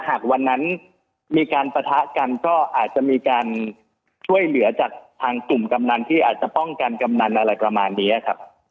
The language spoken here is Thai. หากวันนั้นมีการปะทะกันก็อาจจะมีการช่วยเหลือจากทางกลุ่มกำนันที่อาจจะป้องกันกำนันอะไรประมาณนี้ครับ